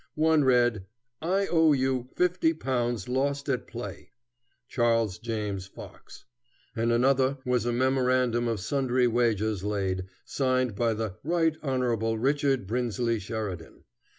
One read, "I. O. U. fifty pounds lost at play, CHARLES JAMES FOX;" and another was a memorandum of sundry wagers laid, signed by the Right Honorable Richard Brinsley Sheridan.